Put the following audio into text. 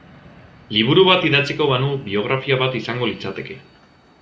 Liburu bat idatziko banu biografia bat izango litzateke.